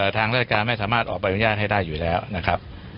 ทางราชการไม่สามารถออกใบอนุญาตให้ได้อยู่แล้วนะครับ